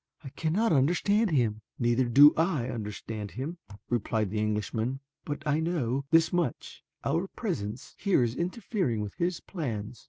I cannot understand him." "Neither do I understand him," replied the Englishman; "but I know this much our presence here is interfering with his plans.